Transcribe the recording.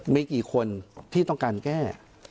มีกี่คนที่ต้องการแก้